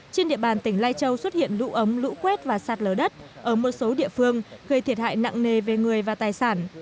trên địa bàn tỉnh lai châu xuất hiện lũ ống lũ quét và sạt lở đất ở một số địa phương gây thiệt hại nặng nề về người và tài sản